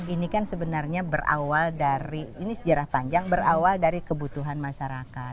ini kan sebenarnya berawal dari ini sejarah panjang berawal dari kebutuhan masyarakat